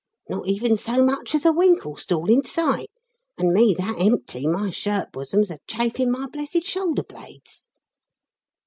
Not even so much as a winkle stall in sight, and me that empty my shirt bosom's a chafing my blessed shoulder blades!"